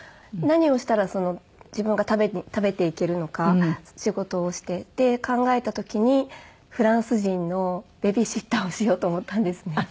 何をしたら自分が食べていけるのか仕事をしてって考えた時にフランス人のベビーシッターをしようと思ったんですね。